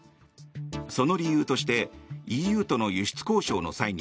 その理由としてＥＵとの輸出交渉の際に